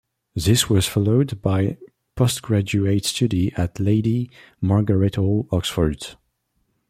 This was followed by postgraduate study at Lady Margaret Hall, Oxford.